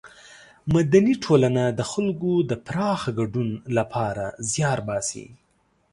مدني ټولنه د خلکو د پراخه ګډون له پاره زیار باسي.